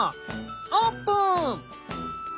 オープン！